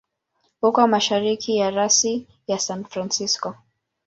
Uko mashariki ya rasi ya San Francisco.